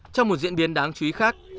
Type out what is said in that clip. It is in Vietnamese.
trong một diễn biến đáng chú ý khác